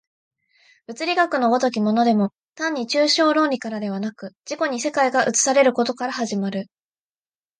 物理学の如きものでも単に抽象論理からではなく、自己に世界が映されることから始まる。